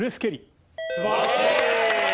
素晴らしい。